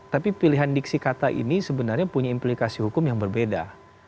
tapi pilihan diksi kata ini sebenarnya punya implikasi hukum yang berbeda